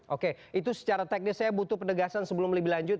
oke itu secara teknis saya butuh penegasan sebelum lebih lanjut